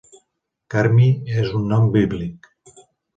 Carmi és un nom bíblic.